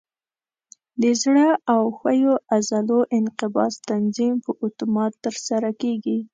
د زړه او ښویو عضلو انقباض تنظیم په اتومات ترسره کېږي.